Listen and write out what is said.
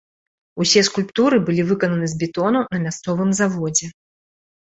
Усе скульптуры былі выкананы з бетону на мясцовым заводзе.